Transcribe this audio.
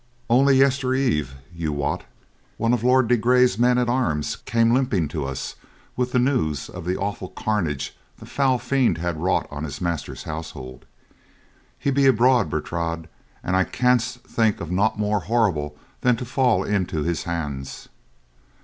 "Only yestereve, you wot, one of Lord de Grey's men at arms came limping to us with the news of the awful carnage the foul fiend had wrought on his master's household. He be abroad, Bertrade, and I can think of naught more horrible than to fall into his hands."